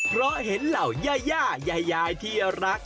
เพราะเห็นเหล่าย่ายายที่รัก